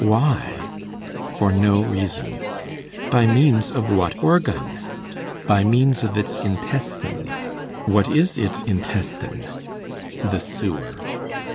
Why? For no reason. By means of what organ? By means of its intestine. What is its intestine? The sewer.